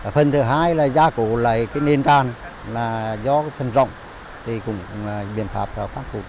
phần thứ hai là gia cổ lại cái nền đàn là do phần rộng thì cũng biện pháp phát phụt